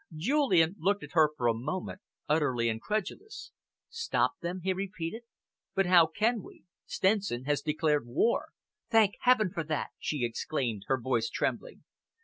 Julian looked at her for a moment, utterly incredulous. "Stop them?" he repeated. "But how can we? Stenson has declared war." "Thank heaven for that!" she exclaimed, her voice trembling.